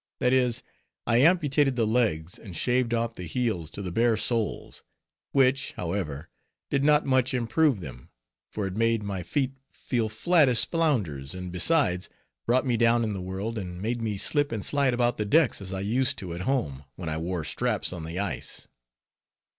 That is, I amputated the legs, and shaved off the heels to the bare soles; which, however, did not much improve them, for it made my feet feel flat as flounders, and besides, brought me down in the world, and made me slip and slide about the decks, as I used to at home, when I wore straps on the ice.